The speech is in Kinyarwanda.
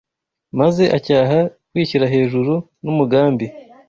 maze acyaha kwishyira hejuru n’umugambi